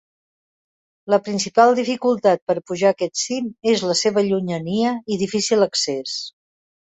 La principal dificultat per pujar aquest cim és la seva llunyania i difícil accés.